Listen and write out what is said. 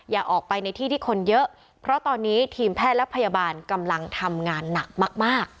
อย่าออกไปในที่ที่คนเยอะเพราะตอนนี้ทีมแพทย์และพยาบาลกำลังทำงานหนักมาก